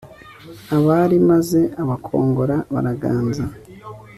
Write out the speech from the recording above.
abari Maze Abakongoro baraganza